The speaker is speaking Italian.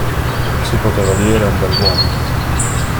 Si poteva dire un bell'uomo.